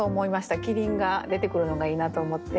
「キリン」が出てくるのがいいなと思って。